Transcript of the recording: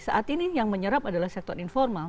saat ini yang menyerap adalah sektor informal